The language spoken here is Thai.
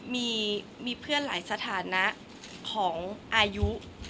มีเพื่อนหลายสถานะของอายุ